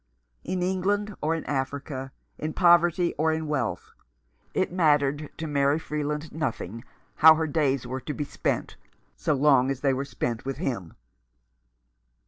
In England or in Africa, in poverty or in wealth, it mattered to Mary Freeland nothing how her days were to be spent, so long as they were spent with him.